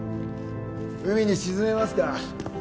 海に沈めますか？